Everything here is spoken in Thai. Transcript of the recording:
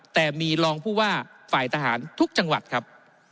แต่มีรองผู้ว่าฝ่ายทหารทุกจังหวัดครับ